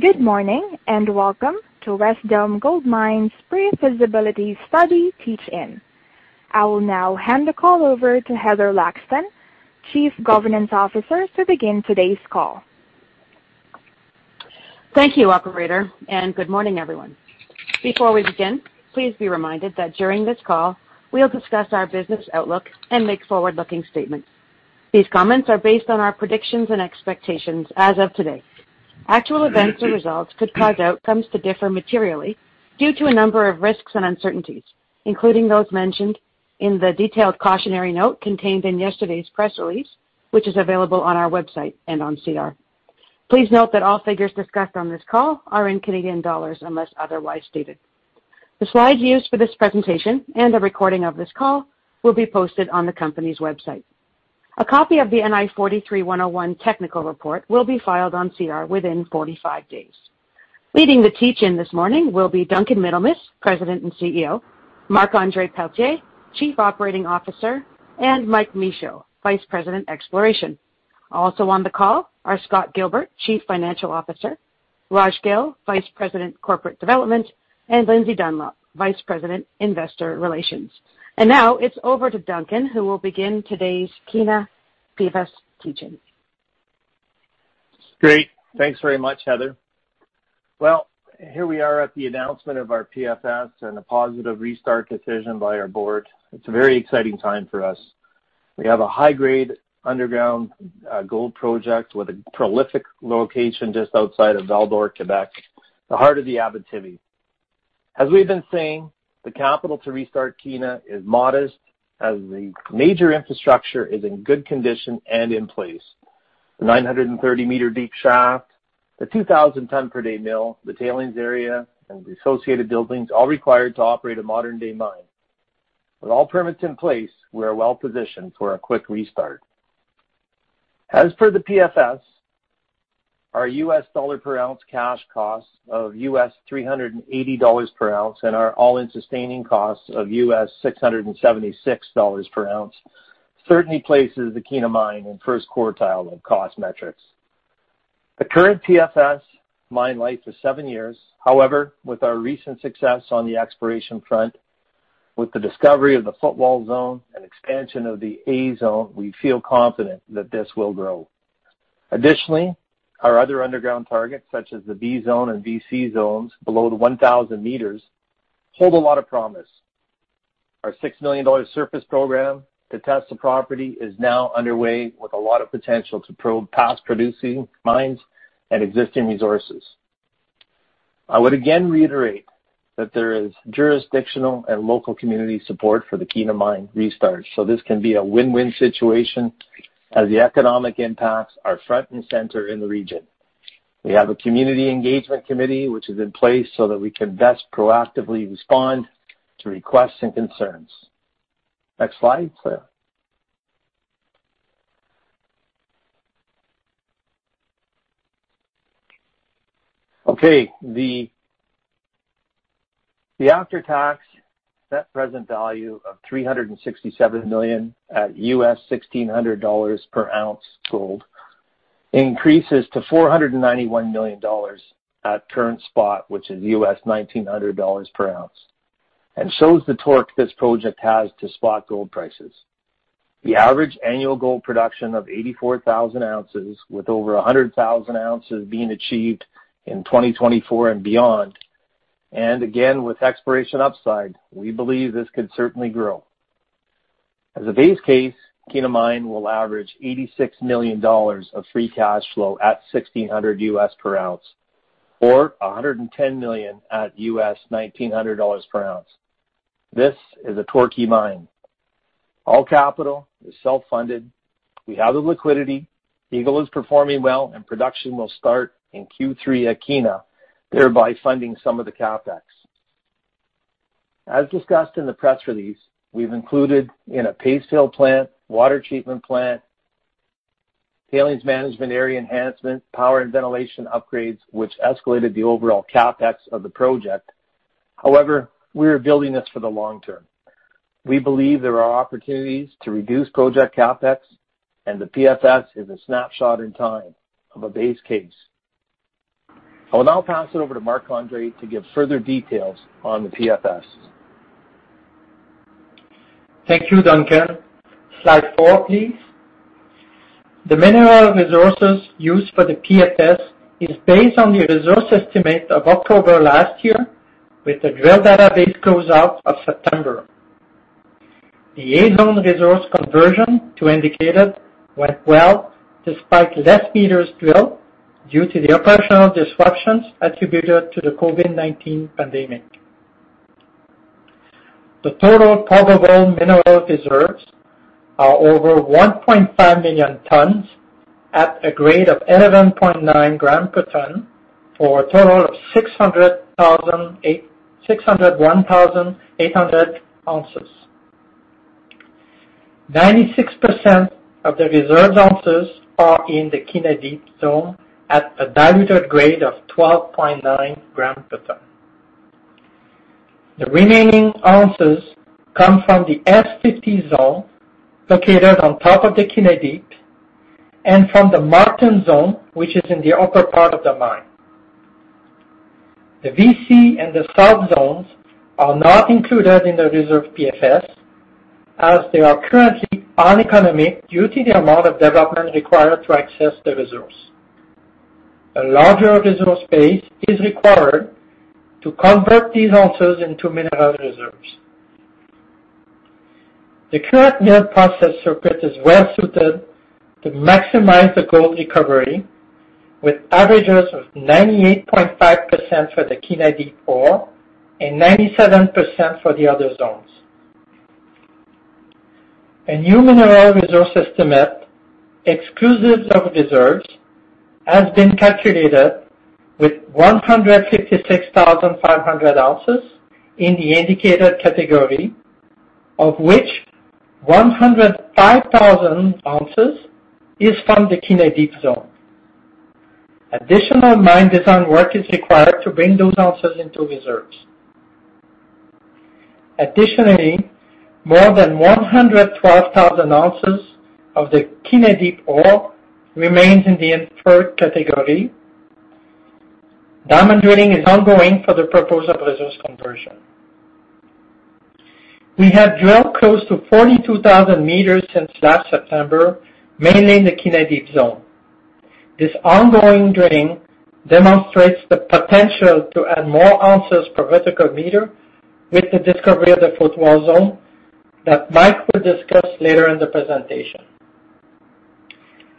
Good morning and welcome to Wesdome Gold Mines' Pre-Feasibility Study Teach-In. I will now hand the call over to Heather Laxton, Chief Governance Officer, to begin today's call. Thank you, Operator, and good morning, everyone. Before we begin, please be reminded that during this call, we'll discuss our business outlook and make forward-looking statements. These comments are based on our predictions and expectations as of today. Actual events or results could cause outcomes to differ materially due to a number of risks and uncertainties, including those mentioned in the detailed cautionary note contained in yesterday's press release, which is available on our website and on SEDAR. Please note that all figures discussed on this call are in CAD unless otherwise stated. The slides used for this presentation and a recording of this call will be posted on the company's website. A copy of the NI 43-101 technical report will be filed on SEDAR within 45 days. Leading the Teach-In this morning will be Duncan Middlemiss, President and CEO, Marc-Andre Pelletier, Chief Operating Officer, and Mike Michaud, Vice President Exploration. Also on the call are Scott Gilbert, Chief Financial Officer, Raj Gill, Vice President Corporate Development, and Lindsay Dunlop, Vice President Investor Relations. Now it is over to Duncan, who will begin today's Kiena PFS Teach-In. Great. Thanks very much, Heather. Here we are at the announcement of our PFS and a positive restart decision by our board. It's a very exciting time for us. We have a high-grade underground gold project with a prolific location just outside of Val-d'Or, Quebec, the heart of the Abitibi. As we've been saying, the capital to restart Kiena is modest, as the major infrastructure is in good condition and in place: the 930-meter deep shaft, the 2,000 ton per day mill, the tailings area, and the associated buildings all required to operate a modern-day mine. With all permits in place, we're well positioned for a quick restart. As per the PFS, our U.S. dollar per ounce cash cost of $380 per ounce and our all-in sustaining cost of $676 per ounce certainly places the Kiena mine in first quartile of cost metrics. The current Kiena mine life is seven years. However, with our recent success on the exploration front, with the discovery of the Footwall Zone and expansion of the A Zone, we feel confident that this will grow. Additionally, our other underground targets, such as the B Zone and VC Zones, below the 1,000 meters, hold a lot of promise. Our 6 million dollar surface program to test the property is now underway, with a lot of potential to probe past producing mines and existing resources. I would again reiterate that there is jurisdictional and local community support for the Kiena mine restart, so this can be a win-win situation, as the economic impacts are front and center in the region. We have a community engagement committee, which is in place so that we can best proactively respond to requests and concerns. Next slide, please. Okay. The after-tax net present value of $367 million at U.S. $1,600 per ounce gold increases to $491 million at current spot, which is U.S. $1,900 per ounce, and shows the torque this project has to spot gold prices. The average annual gold production of 84,000 ounces, with over 100,000 ounces being achieved in 2024 and beyond, and again, with exploration upside, we believe this could certainly grow. As a base case, Kiena mine will average $86 million of free cash flow at U.S. $1,600 per ounce, or $110 million at U.S. $1,900 per ounce. This is a torquey mine. All capital is self-funded. We have the liquidity. Eagle is performing well, and production will start in Q3 at Kiena, thereby funding some of the CapEx. As discussed in the press release, we've included in a paste fill plant, water treatment plant, tailings management area enhancement, power and ventilation upgrades, which escalated the overall CapEx of the project. However, we are building this for the long term. We believe there are opportunities to reduce project CapEx, and the PFS is a snapshot in time of a base case. I will now pass it over to Marc-Andre to give further details on the PFS. Thank you, Duncan. Slide four, please. The mineral resources used for the PFS is based on the resource estimate of October last year, with the drill database closeout of September. The A Zone resource conversion, to indicated, went well despite less meters drilled due to the operational disruptions attributed to the COVID-19 pandemic. The total probable mineral reserves are over 1.5 million tons at a grade of 11.9 grams per ton for a total of 601,800 ounces. 96% of the reserved ounces are in the Kiena Deep Zone at a diluted grade of 12.9 grams per ton. The remaining ounces come from the S50 Zone, located on top of the Kiena Deep, and from the Martin Zone, which is in the upper part of the mine. The VC and the South Zones are not included in the reserve PFS, as they are currently uneconomic due to the amount of development required to access the resource. A larger resource base is required to convert these ounces into mineral reserves. The current mill process circuit is well suited to maximize the gold recovery, with averages of 98.5% for the Kiena Deep ore and 97% for the other zones. A new mineral resource estimate, exclusive of reserves, has been calculated with 156,500 ounces in the indicated category, of which 105,000 ounces is from the Kiena Deep zone. Additional mine design work is required to bring those ounces into reserves. Additionally, more than 112,000 ounces of the Kiena Deep ore remains in the inferred category. Diamond drilling is ongoing for the proposed resource conversion. We have drilled close to 42,000 meters since last September, mainly in the Kiena Deep zone. This ongoing drilling demonstrates the potential to add more ounces per vertical meter with the discovery of the Footwall Zone that Mike will discuss later in the presentation.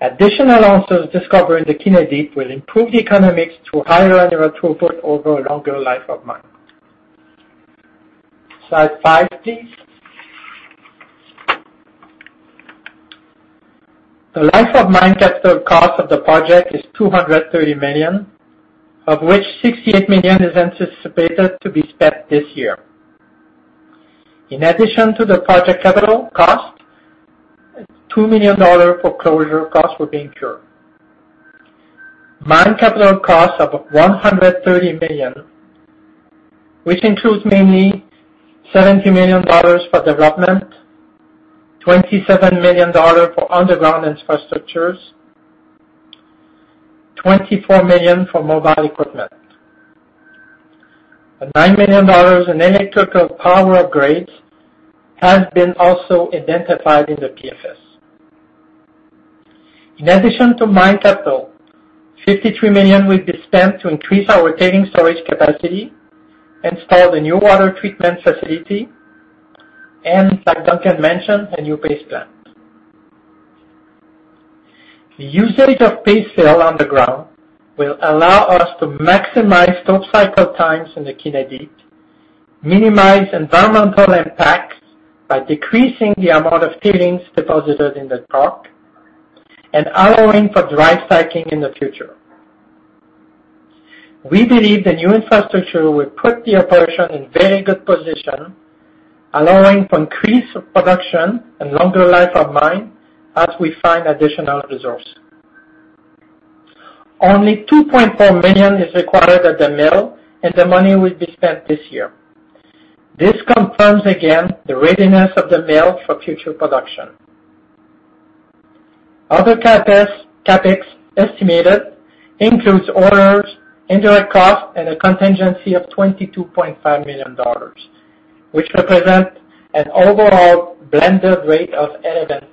Additional ounces discovered in the Kiena Deep will improve the economics to a higher annual throughput over a longer life of mine. Slide five, please. The life of mine capital cost of the project is 230 million, of which 68 million is anticipated to be spent this year. In addition to the project capital cost, 2 million dollars for closure costs will be incurred. Mine capital costs of 130 million, which includes mainly 70 million dollars for development, 27 million dollars for underground infrastructures, and 24 million for mobile equipment. 9 million dollars in electrical power upgrades has been also identified in the PFS. In addition to mine capital, 53 million will be spent to increase our tailings storage capacity, install the new water treatment facility, and, like Duncan mentioned, a new paste plant. The usage of paste fill underground will allow us to maximize top cycle times in the Kiena Deep, minimize environmental impacts by decreasing the amount of tailings deposited in the truck, and allowing for dry stacking in the future. We believe the new infrastructure will put the operation in very good position, allowing for increased production and longer life of mine as we find additional resource. Only 2.4 million is required at the mill, and the money will be spent this year. This confirms again the readiness of the mill for future production. Other CapEx estimated includes owners' indirect costs, and a contingency of 22.5 million dollars, which represents an overall blended rate of 11%.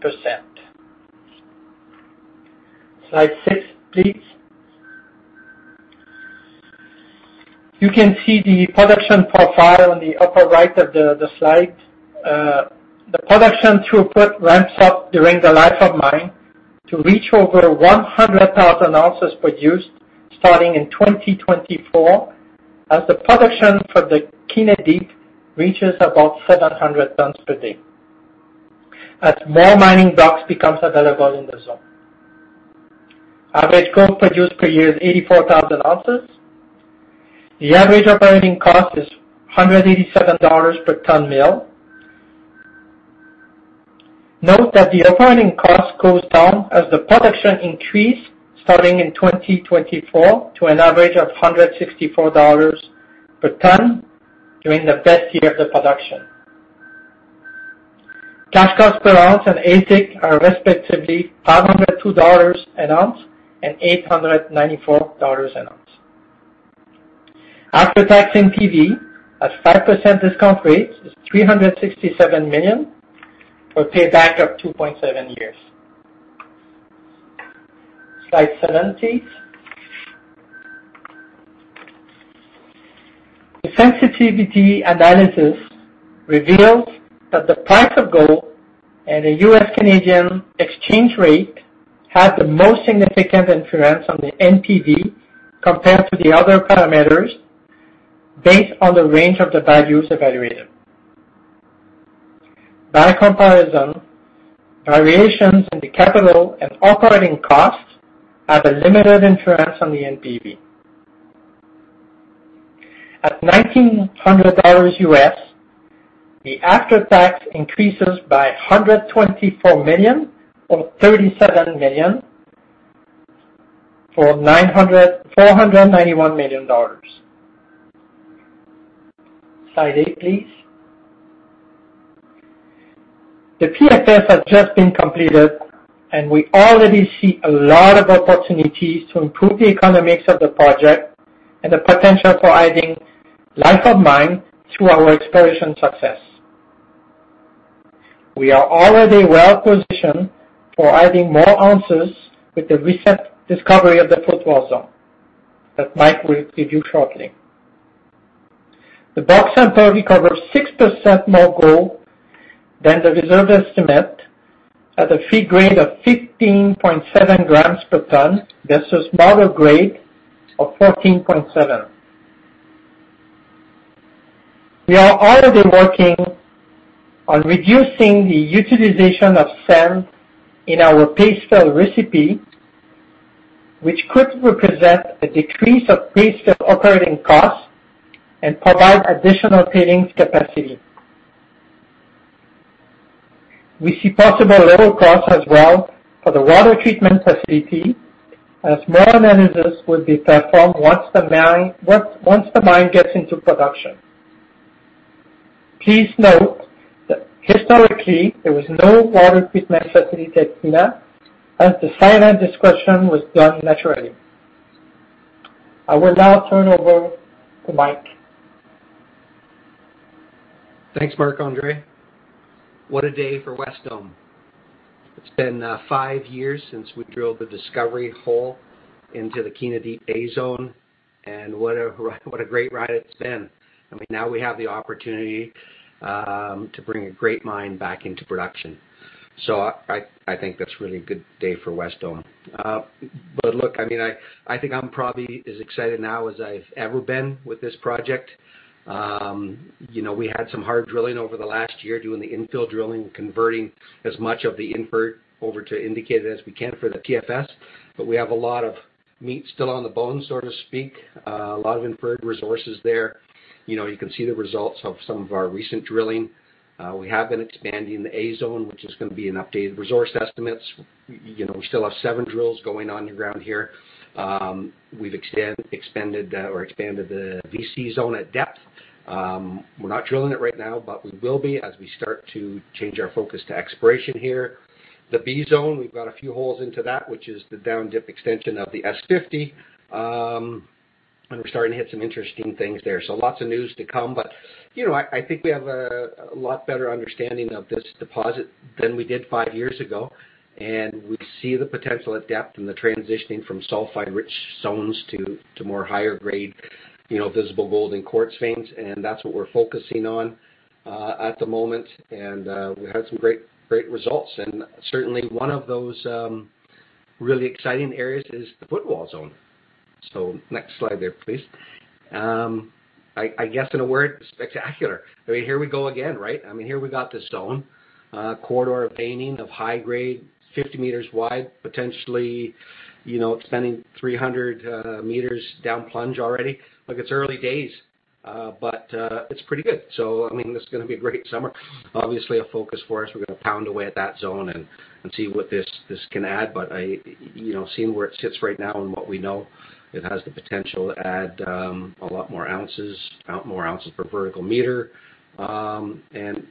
Slide six, please. You can see the production profile on the upper right of the slide. The production throughput ramps up during the life of mine to reach over 100,000 ounces produced starting in 2024, as the production for the Kiena Deep reaches about 700 tons per day as more mining blocks become available in the zone. Average gold produced per year is 84,000 ounces. The average operating cost is 187 dollars per ton mill. Note that the operating cost goes down as the production increased starting in 2024 to an average of 164 dollars per ton during the best year of the production. Cash cost per ounce and AISC are respectively 502 dollars an ounce and 894 dollars an ounce. After-tax NPV at 5% discount rates is 367 million for a payback of 2.7 years. Slide seven, please. The sensitivity analysis reveals that the price of gold and the U.S.-Canadian exchange rate have the most significant influence on the NPV compared to the other parameters based on the range of the values evaluated. By comparison, variations in the capital and operating costs have a limited influence on the NPV. At $1,900 U.S., the after-tax increases by $124 million or $37 million for $491 million. Slide eight, please. The PFS has just been completed, and we already see a lot of opportunities to improve the economics of the project and the potential for adding life of mine to our exploration success. We are already well positioned for adding more ounces with the recent discovery of the Footwall Zone that Mike will introduce shortly. The bulk sample recovers 6% more gold than the reserve estimate at a feed grade of 15.7 grams per ton versus model grade of 14.7. We are already working on reducing the utilization of sand in our paste fill recipe, which could represent a decrease of paste fill operating costs and provide additional tailings capacity. We see possible lower costs as well for the water treatment facility, as more analysis will be performed once the mine gets into production. Please note that historically, there was no water treatment facility at Kiena as the cyanide destruction was done naturally. I will now turn over to Mike. Thanks, Marc-Andre. What a day for Wesdome. It's been five years since we drilled the discovery hole into the Kiena Deep A Zone, and what a great ride it's been. I mean, now we have the opportunity to bring a great mine back into production. I think that's really a good day for Wesdome. I mean, I think I'm probably as excited now as I've ever been with this project. We had some hard drilling over the last year doing the infill drilling, converting as much of the inferred over to indicated as we can for the PFS, but we have a lot of meat still on the bone, so to speak, a lot of inferred resources there. You can see the results of some of our recent drilling. We have been expanding the A Zone, which is going to be an updated resource estimate. We still have seven drills going on the ground here. We have expanded the VC Zone at depth. We are not drilling it right now, but we will be as we start to change our focus to exploration here. The B Zone, we have got a few holes into that, which is the down dip extension of the S50, and we are starting to hit some interesting things there. Lots of news to come. I think we have a lot better understanding of this deposit than we did five years ago, and we see the potential at depth and the transitioning from sulfide-rich zones to more higher grade visible gold and quartz veins, and that is what we are focusing on at the moment. We had some great results, and certainly one of those really exciting areas is the Footwall Zone. Next slide there, please. I guess in a word, spectacular. I mean, here we go again, right? I mean, here we got this zone, corridor veining of high grade, 50 meters wide, potentially extending 300 meters down plunge already. Look, it's early days, but it's pretty good. I mean, this is going to be a great summer. Obviously, a focus for us, we're going to pound away at that zone and see what this can add, but seeing where it sits right now and what we know, it has the potential to add a lot more ounces, more ounces per vertical meter, and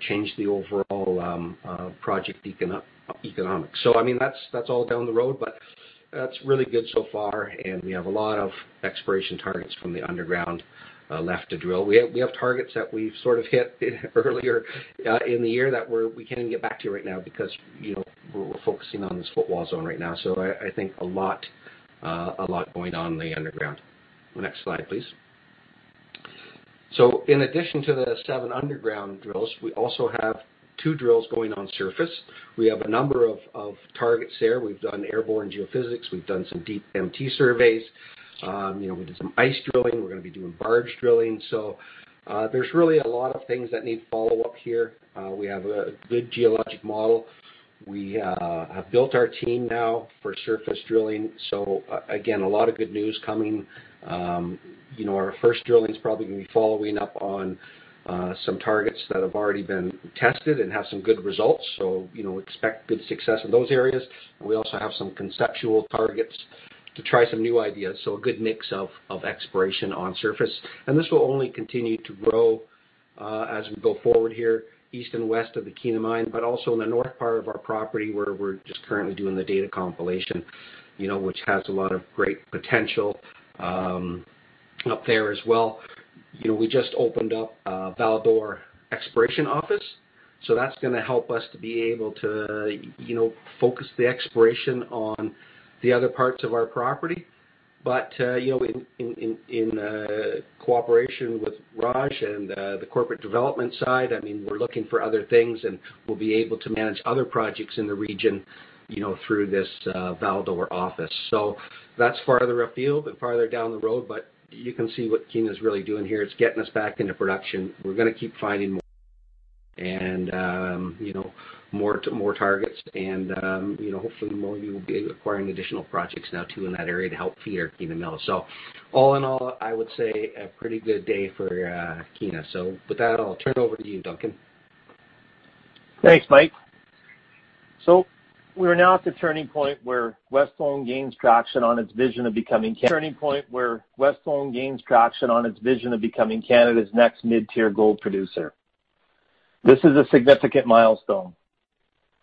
change the overall project economics. I mean, that's all down the road, but that's really good so far, and we have a lot of exploration targets from the underground left to drill. We have targets that we've sort of hit earlier in the year that we can't get back to right now because we're focusing on this Footwall Zone right now. I think a lot going on in the underground. Next slide, please. In addition to the seven underground drills, we also have two drills going on surface. We have a number of targets there. We've done airborne geophysics. We've done some deep MT surveys. We did some ice drilling. We're going to be doing barge drilling. There's really a lot of things that need follow-up here. We have a good geologic model. We have built our team now for surface drilling. Again, a lot of good news coming. Our first drilling is probably going to be following up on some targets that have already been tested and have some good results. Expect good success in those areas. We also have some conceptual targets to try some new ideas. A good mix of exploration on surface. This will only continue to grow as we go forward here, east and west of the Kiena mine, but also in the north part of our property where we're just currently doing the data compilation, which has a lot of great potential up there as well. We just opened up Val-d'Or Exploration Office. That is going to help us to be able to focus the exploration on the other parts of our property. In cooperation with Raj and the corporate development side, I mean, we're looking for other things and we'll be able to manage other projects in the region through this Val-d'Or office. That's farther afield and farther down the road, but you can see what Kiena is really doing here. It's getting us back into production. We're going to keep finding more and more targets, and hopefully, more of you will be acquiring additional projects now too in that area to help feed our Kiena mill. All in all, I would say a pretty good day for Kiena. With that, I'll turn it over to you, Duncan. Thanks, Mike. We are now at the turning point where Wesdome gains traction on its vision of becoming Canada's next mid-tier gold producer. This is a significant milestone.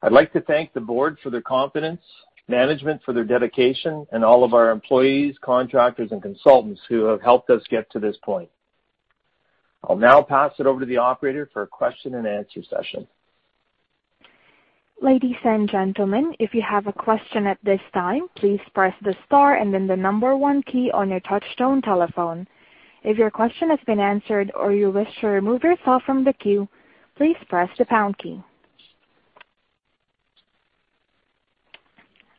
I'd like to thank the board for their confidence, management for their dedication, and all of our employees, contractors, and consultants who have helped us get to this point. I'll now pass it over to the operator for a question and answer session. Ladies and gentlemen, if you have a question at this time, please press the star and then the number one key on your touch-tone telephone. If your question has been answered or you wish to remove yourself from the queue, please press the pound key.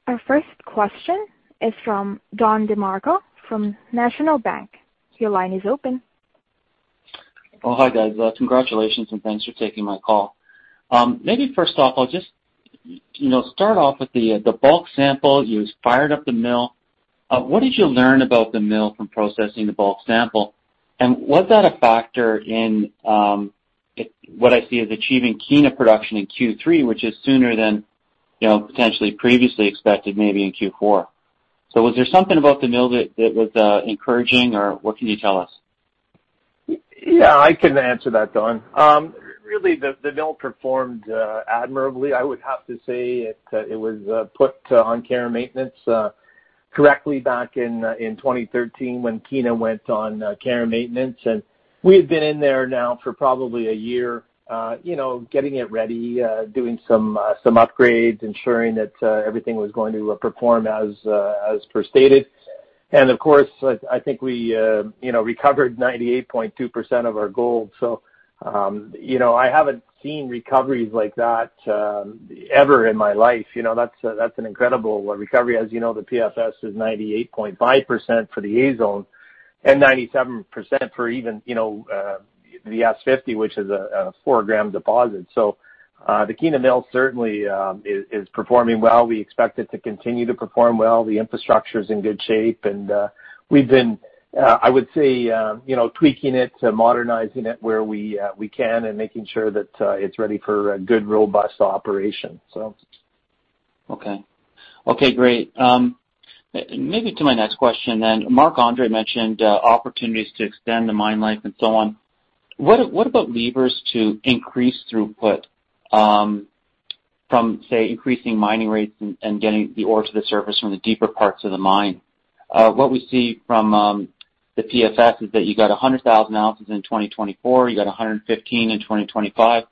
Our first question is from Don DeMarco from National Bank. Your line is open. Oh, hi guys. Congratulations and thanks for taking my call. Maybe first off, I'll just start off with the bulk sample. You fired up the mill. What did you learn about the mill from processing the bulk sample? Was that a factor in what I see as achieving Kiena production in Q3, which is sooner than potentially previously expected, maybe in Q4? Was there something about the mill that was encouraging or what can you tell us? Yeah, I can answer that, Don. Really, the mill performed admirably. I would have to say it was put on care and maintenance correctly back in 2013 when Kiena went on care and maintenance. We had been in there now for probably a year getting it ready, doing some upgrades, ensuring that everything was going to perform as per stated. I think we recovered 98.2% of our gold. I haven't seen recoveries like that ever in my life. That's an incredible recovery. As you know, the PFS is 98.5% for the A Zone and 97% for even the S50, which is a four-gram deposit. The Kiena mill certainly is performing well. We expect it to continue to perform well. The infrastructure is in good shape, and we've been, I would say, tweaking it to modernizing it where we can and making sure that it's ready for good, robust operation. Okay. Okay, great. Maybe to my next question then, Marc-Andre mentioned opportunities to extend the mine life and so on. What about levers to increase throughput from, say, increasing mining rates and getting the ore to the surface from the deeper parts of the mine? What we see from the PFS is that you got 100,000 ounces in 2024. You got 115,000 in 2025.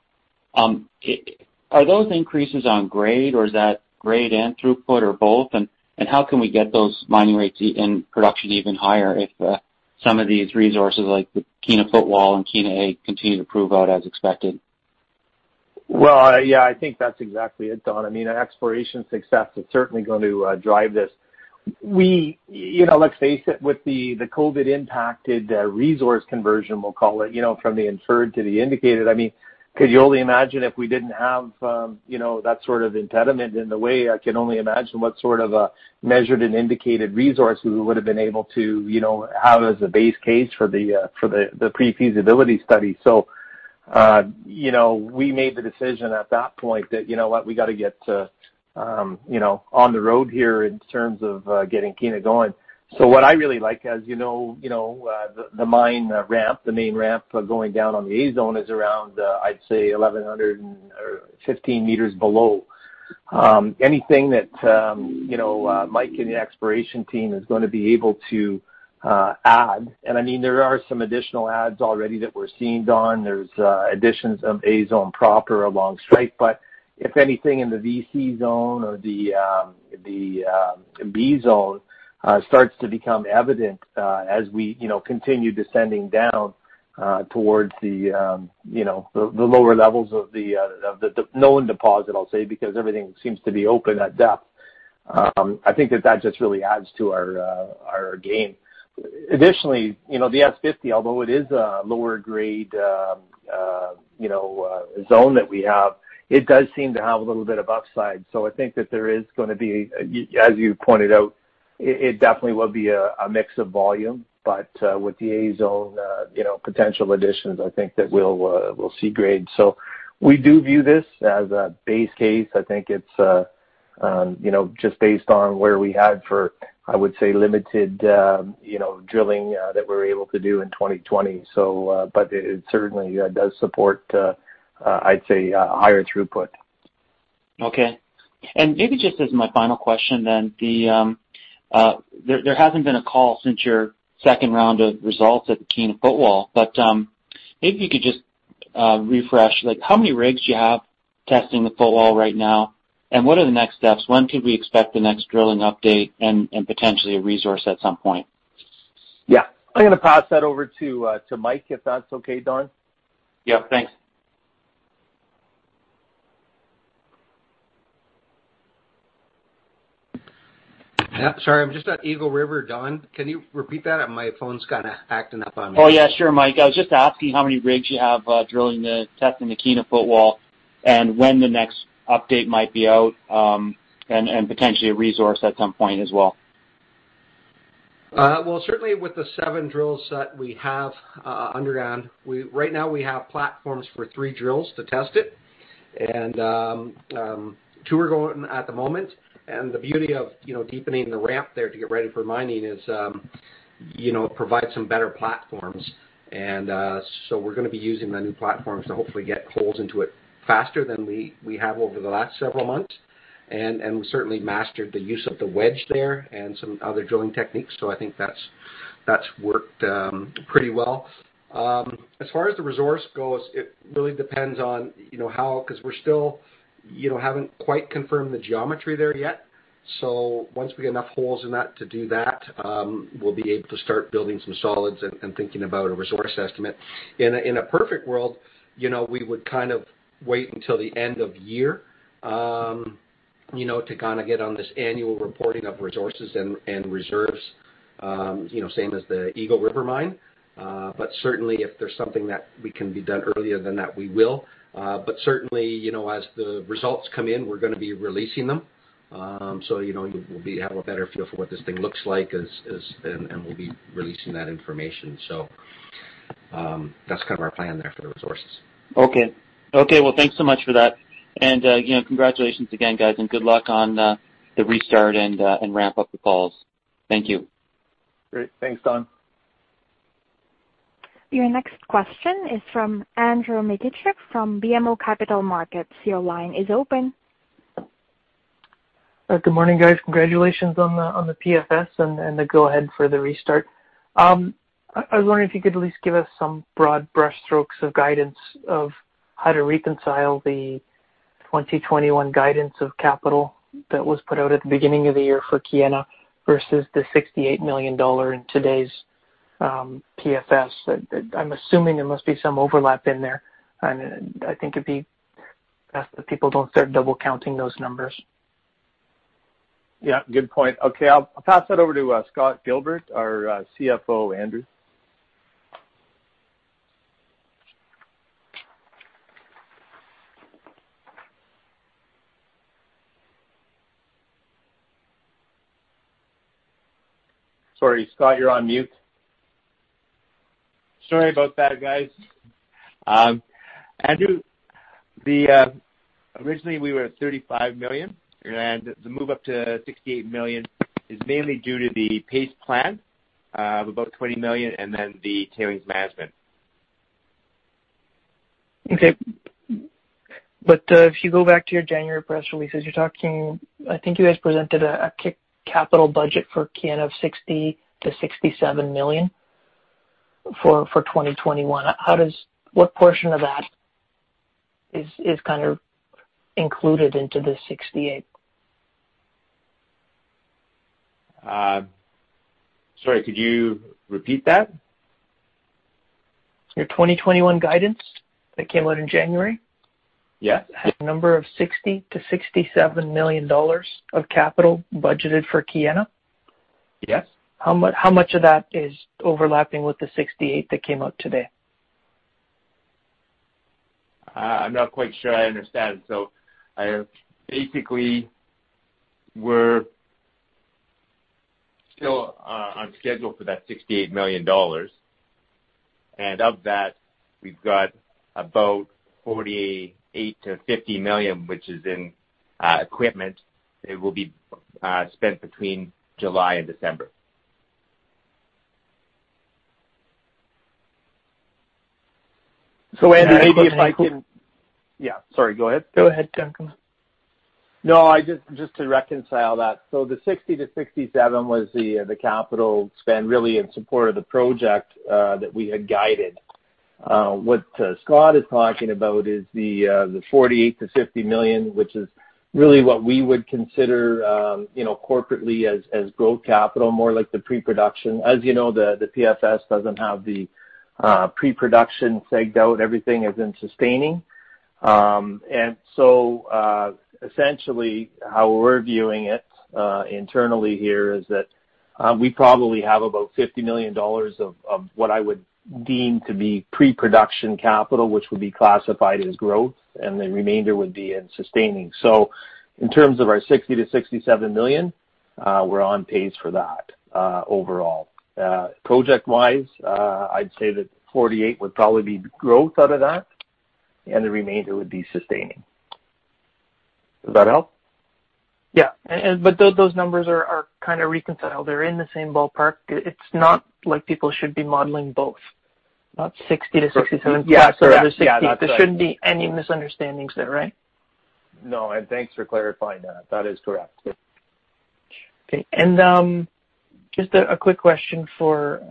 Are those increases on grade, or is that grade and throughput or both? How can we get those mining rates in production even higher if some of these resources like the Kiena Footwall and Kiena A continue to prove out as expected? Yeah, I think that's exactly it, Don. I mean, exploration success is certainly going to drive this. Let's face it, with the COVID-impacted resource conversion, we'll call it, from the inferred to the indicated, I mean, could you only imagine if we didn't have that sort of impediment in the way? I can only imagine what sort of measured and indicated resources we would have been able to have as a base case for the pre-feasibility study. We made the decision at that point that, you know what, we got to get on the road here in terms of getting Kiena going. What I really like, as you know, the main ramp, the main ramp going down on the A Zone is around, I'd say, 1,115 meters below. Anything that Mike and the exploration team is going to be able to add. I mean, there are some additional adds already that we're seeing, Don. There are additions of A Zone proper along strike. If anything in the VC Zone or the B Zone starts to become evident as we continue descending down towards the lower levels of the known deposit, I'll say, because everything seems to be open at depth, I think that just really adds to our gain. Additionally, the S50, although it is a lower grade zone that we have, does seem to have a little bit of upside. I think that there is going to be, as you pointed out, it definitely will be a mix of volume, but with the A Zone, potential additions, I think that we'll see grade. We do view this as a base case. I think it's just based on where we had for, I would say, limited drilling that we were able to do in 2020. It certainly does support, I'd say, higher throughput. Okay. Maybe just as my final question then, there has not been a call since your second round of results at the Kiena Footwall, but maybe if you could just refresh, how many rigs do you have testing the Footwall right now? What are the next steps? When could we expect the next drilling update and potentially a resource at some point? Yeah. I'm going to pass that over to Mike, if that's okay, Don. Yeah, thanks. Sorry, I'm just at Eagle River, Don. Can you repeat that? My phone's kind of acting up on me. Oh, yeah, sure, Mike. I was just asking how many rigs you have testing the Kiena Footwall and when the next update might be out and potentially a resource at some point as well. Certainly with the seven drills that we have underground, right now we have platforms for three drills to test it, and two are going at the moment. The beauty of deepening the ramp there to get ready for mining is it provides some better platforms. We are going to be using the new platforms to hopefully get holes into it faster than we have over the last several months. We certainly mastered the use of the wedge there and some other drilling techniques. I think that's worked pretty well. As far as the resource goes, it really depends on how, because we still haven't quite confirmed the geometry there yet. Once we get enough holes in that to do that, we'll be able to start building some solids and thinking about a resource estimate. In a perfect world, we would kind of wait until the end of year to kind of get on this annual reporting of resources and reserves, same as the Eagle River mine. Certainly, if there's something that can be done earlier than that, we will. Certainly, as the results come in, we're going to be releasing them. You will have a better feel for what this thing looks like, and we'll be releasing that information. That's kind of our plan there for the resources. Okay. Okay. Thanks so much for that. Congratulations again, guys, and good luck on the restart and ramp up the calls. Thank you. Great. Thanks, Don. Your next question is from Andrew Mikitchook from BMO Capital Markets. Your line is open. Good morning, guys. Congratulations on the PFS and the go-ahead for the restart. I was wondering if you could at least give us some broad brushstrokes of guidance of how to reconcile the 2021 guidance of capital that was put out at the beginning of the year for Kiena versus the 68 million dollar in today's PFS. I'm assuming there must be some overlap in there. I think it'd be best if people don't start double-counting those numbers. Yeah, good point. Okay. I'll pass that over to Scott Gilbert, our CFO, Andrew. Sorry, Scott, you're on mute. Sorry about that, guys. Andrew, originally we were at 35 million, and the move up to 68 million is mainly due to the pace plan of about 20 million and then the tailings management. Okay. If you go back to your January press releases, you're talking I think you guys presented a capital budget for Kiena of 60 million-67 million for 2021. What portion of that is kind of included into the 68 million? Sorry, could you repeat that? Your 2021 guidance that came out in January? Yes. Had a number of 60-67 million dollars of capital budgeted for Kiena? Yes. How much of that is overlapping with the 68 that came out today? I'm not quite sure I understand. Basically, we're still on schedule for that 68 million dollars. Of that, we've got about 48 million-50 million, which is in equipment that will be spent between July and December. Andrew, maybe if I can. Yeah. Sorry, go ahead. Go ahead, Duncan. No, just to reconcile that. The 60-67 was the capital spent really in support of the project that we had guided. What Scott is talking about is the 48-50 million, which is really what we would consider corporately as growth capital, more like the pre-production. As you know, the PFS does not have the pre-production figured out. Everything is in sustaining. Essentially, how we are viewing it internally here is that we probably have about 50 million dollars of what I would deem to be pre-production capital, which would be classified as growth, and the remainder would be in sustaining. In terms of our 60-67 million, we are on pace for that overall. Project-wise, I would say that 48 would probably be growth out of that, and the remainder would be sustaining. Does that help? Yeah. Those numbers are kind of reconciled. They're in the same ballpark. It's not like people should be modeling both. Not 60-67 plus or other 60. There shouldn't be any misunderstandings there, right? No. Thanks for clarifying that. That is correct. Okay. Just a quick question for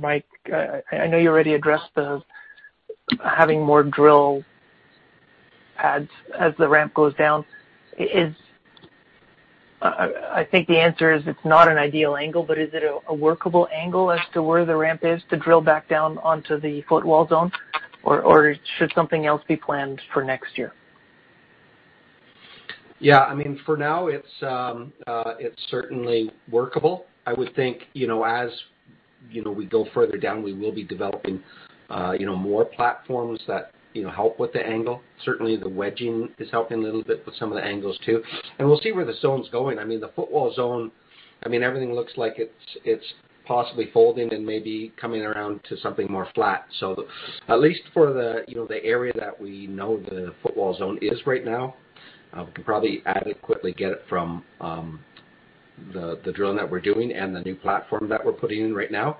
Mike. I know you already addressed having more drill pads as the ramp goes down. I think the answer is it's not an ideal angle, but is it a workable angle as to where the ramp is to drill back down onto the Footwall Zone, or should something else be planned for next year? Yeah. I mean, for now, it's certainly workable. I would think as we go further down, we will be developing more platforms that help with the angle. Certainly, the wedging is helping a little bit with some of the angles too. We will see where the zone's going. I mean, the Footwall Zone, I mean, everything looks like it's possibly folding and maybe coming around to something more flat. At least for the area that we know the Footwall Zone is right now, we can probably adequately get it from the drilling that we're doing and the new platform that we're putting in right now.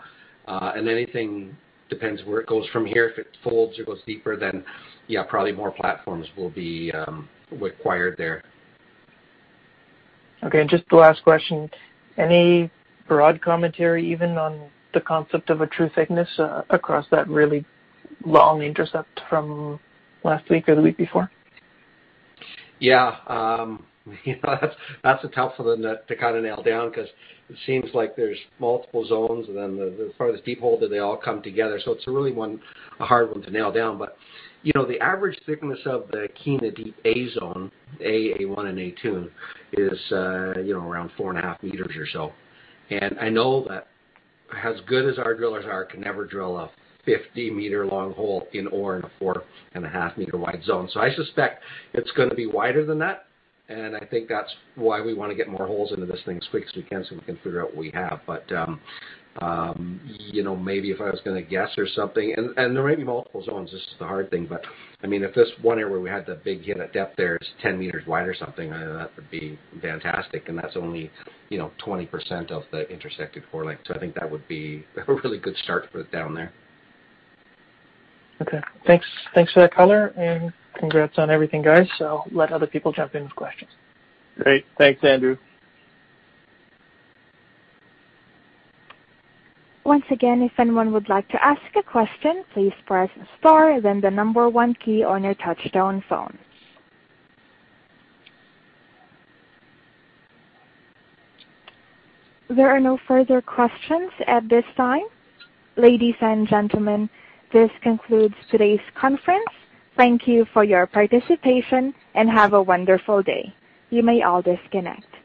Anything depends where it goes from here. If it folds or goes deeper, then yeah, probably more platforms will be required there. Okay. Just the last question. Any broad commentary even on the concept of a true thickness across that really long intercept from last week or the week before? Yeah. That's a tough one to kind of nail down because it seems like there's multiple zones, and then as far as deep hole, they all come together. It is really a hard one to nail down. The average thickness of the Kiena Deep A Zone, A, A1, and A2, is around 4.5 meters or so. I know that as good as our drillers are, it can never drill a 50-meter-long hole in ore in a 4.5-meter-wide zone. I suspect it's going to be wider than that. I think that's why we want to get more holes into this thing as quick as we can so we can figure out what we have. Maybe if I was going to guess or something, and there may be multiple zones. This is the hard thing. I mean, if this one area where we had the big hit at depth there is 10 meters wide or something, that would be fantastic. That is only 20% of the intersected core length. I think that would be a really good start for it down there. Okay. Thanks for that color. Congrats on everything, guys. Let other people jump in with questions. Great. Thanks, Andrew. Once again, if anyone would like to ask a question, please press star and then the number one key on your touch-tone phone. There are no further questions at this time. Ladies and gentlemen, this concludes today's conference. Thank you for your participation and have a wonderful day. You may all disconnect.